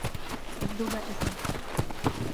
يبدو بائسا.